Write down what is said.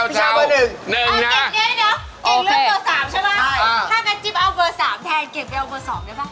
ถ้ามันจิ๊บเอาเบอร์๓แทนเก่งไปเอาเบอร์๒ได้ป่ะ